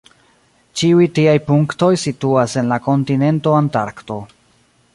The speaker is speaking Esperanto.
Ĉiuj tiaj punktoj situas en la kontinento Antarkto.